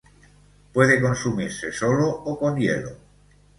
Puede consumirse solo o con hielo.